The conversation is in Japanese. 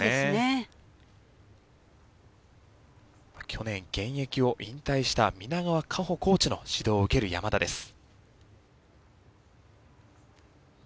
去年現役を引退した皆川夏穂コーチの指導を受ける山田です。